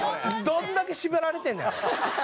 どんだけ縛られてんねや。